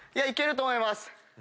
いけると思います。